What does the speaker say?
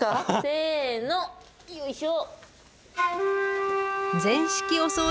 せのよいしょ。